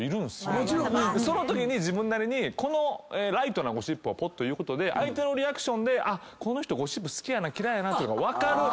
そのときに自分なりにライトなゴシップをぽっと言うことで相手のリアクションでゴシップ好きやな嫌いやなっていうのが分かる。